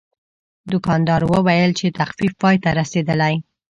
دوکاندار وویل چې تخفیف پای ته رسیدلی.